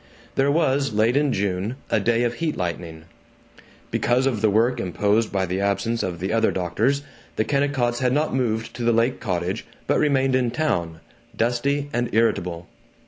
There was, late in June, a day of heat lightning. Because of the work imposed by the absence of the other doctors the Kennicotts had not moved to the lake cottage but remained in town, dusty and irritable.